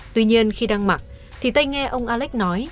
tuy nhiên khi đang mặc thì tây nghe ông alex nói